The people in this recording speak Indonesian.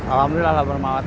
alhamdulillah lah bermawat